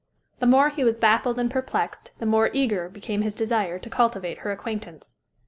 The more he was baffled and perplexed, the more eager became his desire to cultivate her acquaintance.